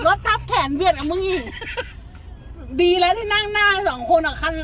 ทับแขนเวียดกับมึงอีกดีแล้วที่นั่งหน้ากันสองคนอ่ะคัน